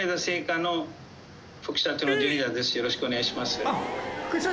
よろしくお願いします。